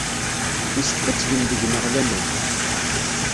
Yessefk ad tgem deg-neɣ laman.